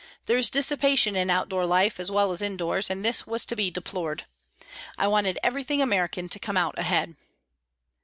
There is dissipation in outdoor life, as well as indoors, and this was to be deplored. I wanted everything American to come out ahead.